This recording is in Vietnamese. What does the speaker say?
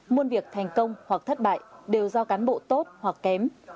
muôn việc thành công hoặc thất bại đều do cán bộ tốt hoặc kém